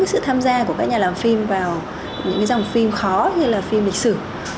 sự tham gia của các nhà làm phim vào những dòng phim khó như là phim lịch sử